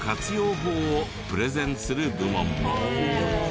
法をプレゼンする部門も。